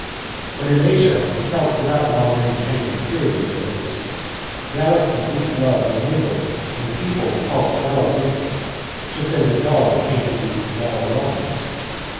But in Asia the Celts did not long maintain the purity of their race; Gallic and Greek blood weie mingled, and the people were called Gallo Greeks, just as in Gaul there came to be Gallo Romans.